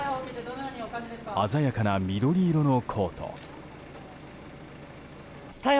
鮮やかな緑色のコート。